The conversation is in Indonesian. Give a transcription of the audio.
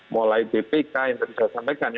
mulai bpk yang tadi saya sampaikan